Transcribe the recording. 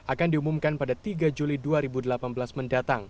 akan diumumkan pada tiga juli dua ribu delapan belas mendatang